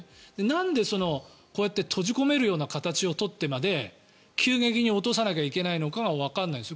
なんでこうやって閉じ込めるような形を取ってまで急激に落とさなきゃいけないのかがわからないんです。